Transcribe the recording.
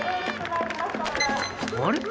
あれ？